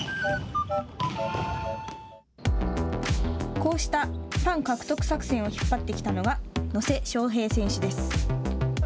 こうしたファン獲得作戦を引っ張ってきたのが野瀬将平選手です。